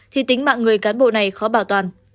thì tính mạng người cán bộ này khó bảo toàn